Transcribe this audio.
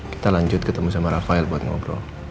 kita lanjut ketemu sama rafael buat ngobrol